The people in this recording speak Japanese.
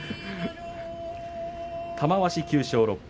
玉鷲、９勝６敗